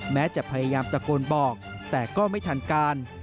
แม้จะพยายามตะโกนบอกแต่ก็ไม่ทันการ